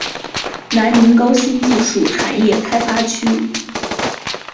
南宁高新技术产业开发区